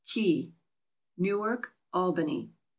K e Y. Newark, Albany.